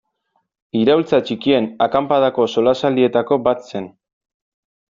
Iraultza Txikien Akanpadako solasaldietako bat zen.